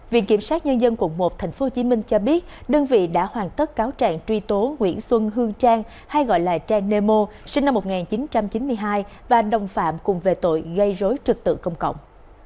viện kiểm sát nhân dân quận một tp hcm cho biết đơn vị đã hoàn tất cáo trạng truy tố nguyễn xuân hương trang hay gọi là trang nemo sinh năm một nghìn chín trăm chín mươi hai và đồng phạm cùng về tội gây rối trực tự công cộng